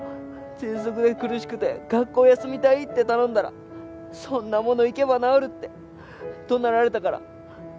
ぜんそくで苦しくて学校休みたいって頼んだらそんなもの行けば治るって怒鳴られたから。